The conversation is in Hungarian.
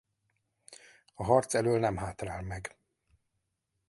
A harc elől nem hátrál meg.